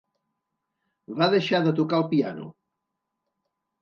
Va deixar de tocar el piano.